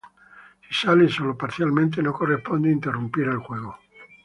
Si sale sólo parcialmente, no corresponde interrumpir el juego.